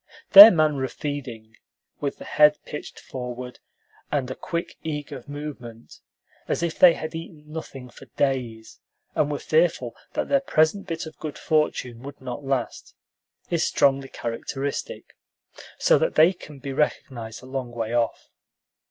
Their manner of feeding, with the head pitched forward, and a quick, eager movement, as if they had eaten nothing for days, and were fearful that their present bit of good fortune would not last, is strongly characteristic, so that they can be recognized a long way off.